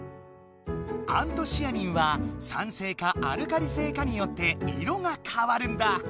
アントシアニンは酸性かアルカリ性かによって色がかわるんだ。